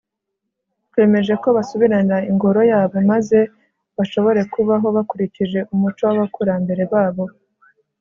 twemeje ko basubirana ingoro yabo maze bashobore kubaho bakurikije umuco w'abakurambere babo